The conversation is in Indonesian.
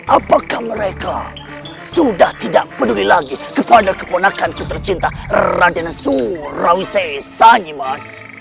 apakah mereka sudah tidak peduli lagi kepada keponakan kutercinta raden surawisai sanyimas